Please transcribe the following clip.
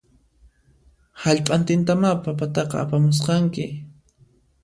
Hallp'antintamá papataqa apamusqanki